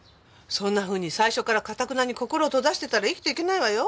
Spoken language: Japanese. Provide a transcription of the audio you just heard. そんなふうに最初からかたくなに心を閉ざしてたら生きていけないわよ。